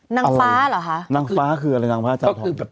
นางฟ้าเหรอคะนางฟ้าคืออะไรนางฟ้าอาจารย์ทอง